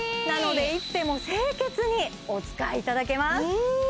なのでいつでも清潔にお使いいただけます